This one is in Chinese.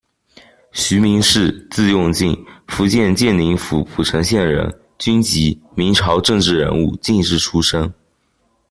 徐民式，字用敬，福建建宁府浦城县人，军籍，明朝政治人物、进士出身。